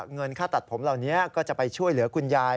เงินค่าตัดผมเหล่านี้ก็จะไปช่วยเหลือคุณยาย